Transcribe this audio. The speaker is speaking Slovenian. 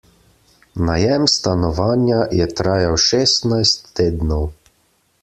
Najem stanovanja je trajal šestnajst tednov.